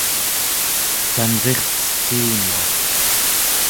canrircecimauq